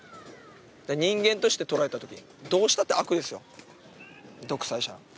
人間として捉えたとき、どうしたって悪ですよ、独裁者は。